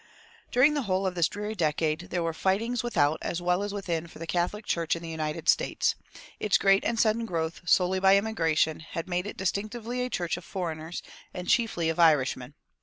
[312:1] During the whole of this dreary decade there were "fightings without" as well as within for the Catholic Church in the United States. Its great and sudden growth solely by immigration had made it distinctively a church of foreigners, and chiefly of Irishmen.